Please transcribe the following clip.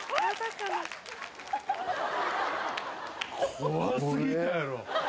怖すぎたやろ。